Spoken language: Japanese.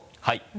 はい。